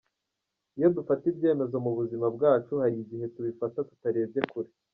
Iyo dufata ibyemezo mu buzima bwacu hari igihe tubifata tutarebye kure.